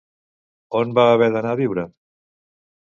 On va haver d'anar a viure?